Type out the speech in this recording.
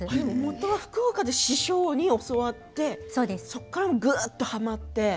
もともとは福岡で師匠に教わってそこからぐっとはまって。